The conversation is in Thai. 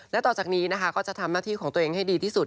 และต่อจากนี้นะคะก็จะทำหน้าที่ของตัวเองให้ดีที่สุด